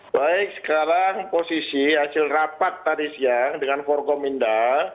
baik sekarang posisi hasil rapat tadi siang dengan forkominda